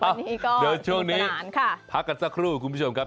วันนี้ก็สูญกรานค่ะพักกันสักครู่คุณผู้ชมครับ